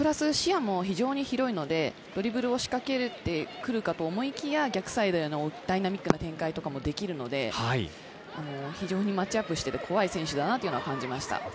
視野も非常に広いので、ドリブルを仕掛けてくるかと思いきや、逆サイドのダイナミックな展開もできるので、マッチアップしていて怖い選手だと感じました。